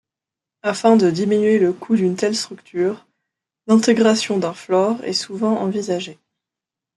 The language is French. Afin de diminuer le coût d'une telle structure, l'intégration d'un floor est souvent envisagée.